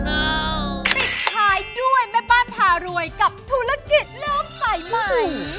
ปิดท้ายด้วยแม่บ้านพารวยกับธุรกิจโลกสายใหม่